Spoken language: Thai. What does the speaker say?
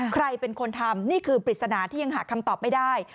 ใครเป็นคนทำนี่คือปริศนาที่ยังหาคำตอบไม่ได้